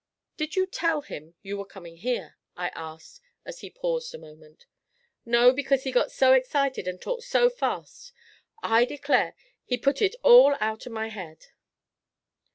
'Did you tell him you were coming here?' I asked, as he paused a moment. 'No, because he got so excited and talked so fast; I declare, he put it all out of my head.'